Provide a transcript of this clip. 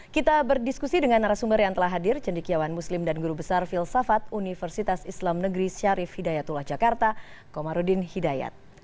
kita berdiskusi dengan narasumber yang telah hadir cendikiawan muslim dan guru besar filsafat universitas islam negeri syarif hidayatullah jakarta komarudin hidayat